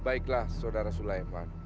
baiklah saudara sulaiman